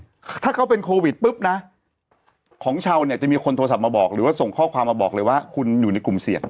ถ้าเขาเป็นโควิดปุ๊บนะของชาวเนี่ยจะมีคนโทรศัพท์มาบอกหรือว่าส่งข้อความมาบอกเลยว่าคุณอยู่ในกลุ่มเสี่ยง